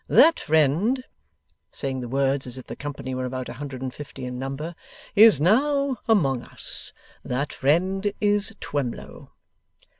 That friend,' saying the words as if the company were about a hundred and fifty in number, 'is now among us. That friend is Twemlow.